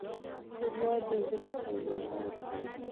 ښوروا د زړه تودوخه ورکوي.